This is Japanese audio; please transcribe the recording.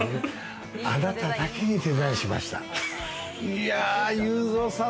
あなただけにデザインしました、いや裕三さん